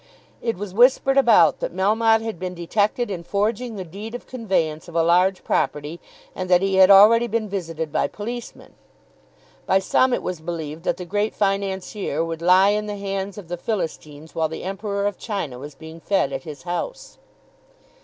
It was whispered about that Melmotte had been detected in forging the deed of conveyance of a large property, and that he had already been visited by policemen. By some it was believed that the Great Financier would lie in the hands of the Philistines while the Emperor of China was being fed at his house.